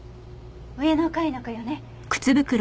上の階の子よね？